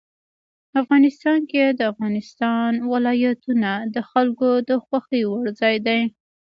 افغانستان کې د افغانستان ولايتونه د خلکو د خوښې وړ ځای دی.